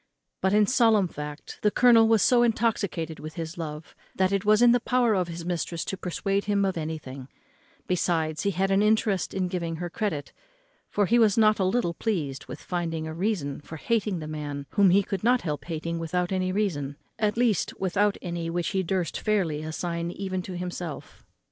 But, in solemn fact, the colonel was so intoxicated with his love, that it was in the power of his mistress to have persuaded him of anything; besides, he had an interest in giving her credit, for he was not a little pleased with finding a reason for hating the man whom he could not help hating without any reason, at least, without any which he durst fairly assign even to himself.